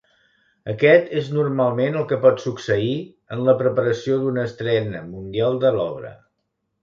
Aquest és normalment el que pot succeir en la preparació d'una estrena mundial de l'obra.